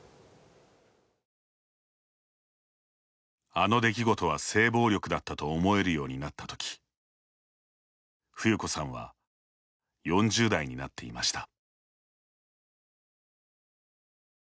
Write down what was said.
「あの出来事は性暴力だった」と思えるようになったときふゆこさんは４０代になっていました。